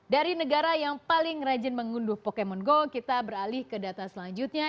dari negara yang paling rajin mengunduh pokemon go kita beralih ke data selanjutnya